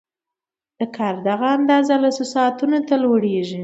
د کار دغه اندازه لسو ساعتونو ته لوړېږي